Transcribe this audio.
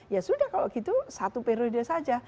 ya sudah kalau gitu satu periode saja